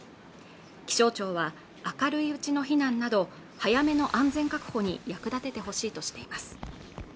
気象庁は明るいうちの避難など早めの安全確保に役立ててほしいとしています